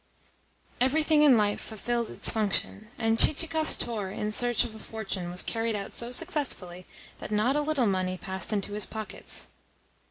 ] Everything in life fulfils its function, and Chichikov's tour in search of a fortune was carried out so successfully that not a little money passed into his pockets.